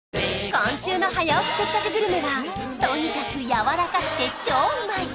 今週の「早起きせっかくグルメ！！」はとにかくやわらかくて超うまい！